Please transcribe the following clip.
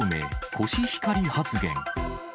コシヒカリ発言。